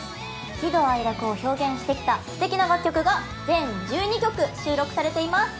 喜怒哀楽を表現してきたすてきな楽曲が全１２曲収録されています。